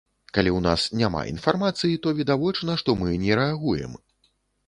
Калі ў нас няма інфармацыі, то відавочна, што мы не рэагуем.